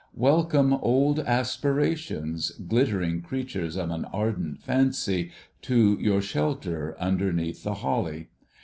Welcome, old aspirations, glittering creatures of an ardent fancy, to your shelter underneath the holly